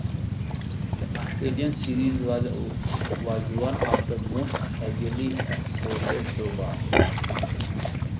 The Australian series was one of the most heavily exported programs.